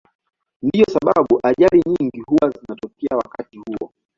Ndiyo sababu ajali nyingi huwa zinatokea wakati huo.